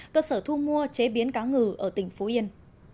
cơ sở thu mua chế biến cá ngừ ở tỉnh phú yên